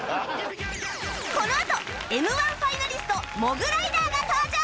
このあと Ｍ−１ ファイナリストモグライダーが登場！